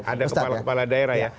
ada kepala kepala daerah ya